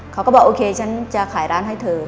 เขาก็บอกโอเคฉันจะขายร้านให้เธอ